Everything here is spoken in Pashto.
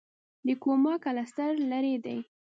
د کوما کلسټر لیرې دی.